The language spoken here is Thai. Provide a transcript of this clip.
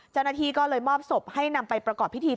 เจ้าหน้าที่ก็เลยมอบศพให้นำไปประกอบพิธี